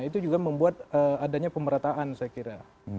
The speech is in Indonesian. itu juga membuat adanya pemerataan saya kira